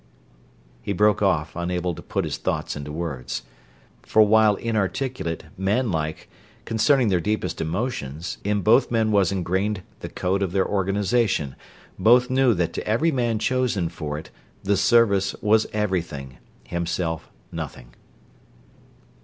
he broke off, unable to put his thoughts into words. For while inarticulate, manlike, concerning their deepest emotions, in both men was ingrained the code of their organization; both knew that to every man chosen for it The Service was everything, himself nothing.